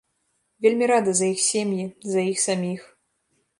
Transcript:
Вельмі рада за іх сем'і, за іх саміх.